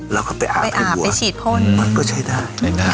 เราก็ไปอาบให้วัวมันก็ใช้ได้